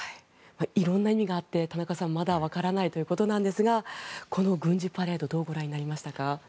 いろんな意味があって田中さんまだ分からないということなんですがこの軍事パレードどうご覧になりましたか？